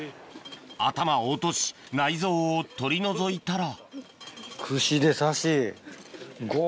頭を落とし内臓を取り除いたらＯＫ。